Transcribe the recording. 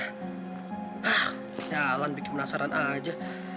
hah jalan bikin penasaran aja